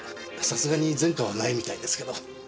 さすがに前科はないみたいですけど。